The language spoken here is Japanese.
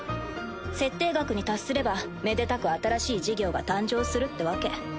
設定額に達すればめでたく新しい事業が誕生するってわけ。